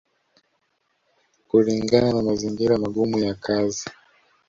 kulingana na mazingira magumu ya kazi